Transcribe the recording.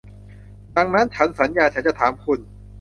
ดังนั้นฉันสัญญาฉันจะถามคุณ